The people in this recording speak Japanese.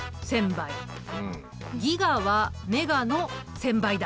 ギガはメガの１，０００倍だ。